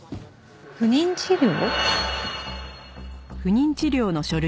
不妊治療？